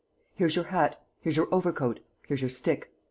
Here's your hat, here's your overcoat, here's your stick.